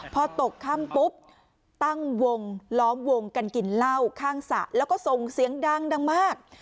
พอตกค่ำปุ๊บตั้งวงล้อมวงกันกินเหล้าข้างสระแล้วก็ส่งเสียงดังมาก